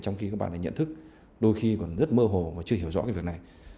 trong khi các bạn này nhận thức đôi khi còn rất mơ hồ và chưa hiểu rõ cái việc này